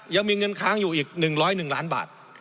ยังมีเงินค้างอยู่อีก๑๐๑ล้านบาท